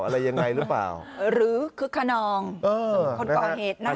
อะไรยังไงหรือเปล่าหรือคึกขนองคนก่อเหตุนะคะ